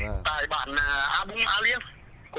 tại bản a bung a liu